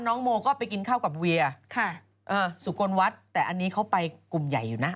น้องโมก็ไปกินข้าวกับเวียค่ะเอ่อสุกลวัฒน์แต่อันนี้เขาไปกลุ่มใหญ่อยู่นะ